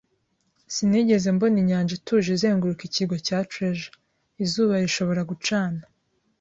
Sinigeze mbona inyanja ituje izenguruka Ikirwa cya Treasure. Izuba rishobora gucana